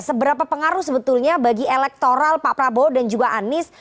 seberapa pengaruh sebetulnya bagi elektoral pak prabowo dan juga anies